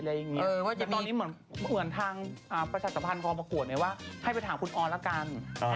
สัญญาเหมือนให้ออกมากว่าจะมาตรดิถามคุณออลย่ากัน